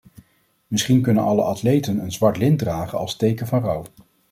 Misschien kunnen alle atleten een zwart lint dragen als teken van rouw.